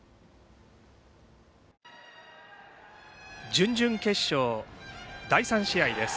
準々決勝第３試合です。